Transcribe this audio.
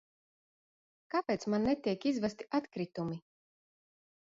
Kāpēc man netiek izvesti atkritumi?